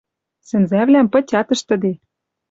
Сӹнзӓвлӓм пытят ӹштӹде.